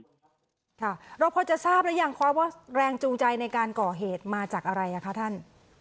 ค่ะเราพอจะทราบหรือยังคะว่าแรงจูงใจในการก่อเหตุมาจากอะไรอ่ะคะท่าน